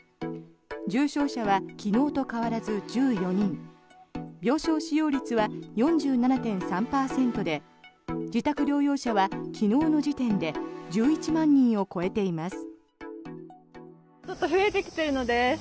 重症者は昨日と変わらず１４人病床使用率は４７．３％で自宅療養者は昨日の時点で１１万人を超えています。